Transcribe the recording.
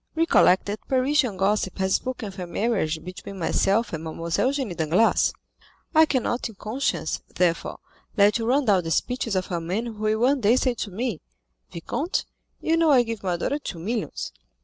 Recollect that Parisian gossip has spoken of a marriage between myself and Mlle. Eugénie Danglars; I cannot in conscience, therefore, let you run down the speeches of a man who will one day say to me, 'Vicomte, you know I give my daughter two millions.